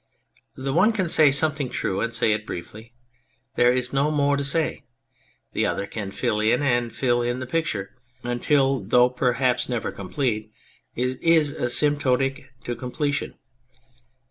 The one can say some thing true and say it briefly : there is no more to say. The other can fill in and fill in the picture, until though perhaps never complete it is a symptotic to completion.